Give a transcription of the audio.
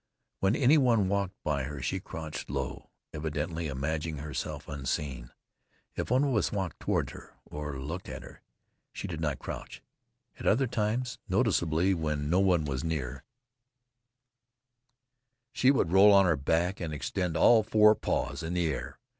When any one walked by her she crouched low, evidently imagining herself unseen. If one of us walked toward her, or looked at her, she did not crouch. At other times, noticeably when no one was near, she would roll on her back and extend all four paws in the air.